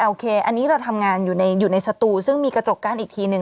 โอเคอันนี้เราทำงานอยู่ในสตูซึ่งมีกระจกกั้นอีกทีหนึ่ง